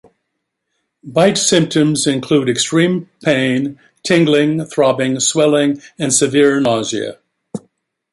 Bite symptoms include extreme pain, tingling, throbbing, swelling, and severe nausea.